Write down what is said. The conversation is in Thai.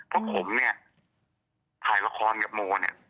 เพราะผมเนี่ยถ่ายละครกับโมเนี่ย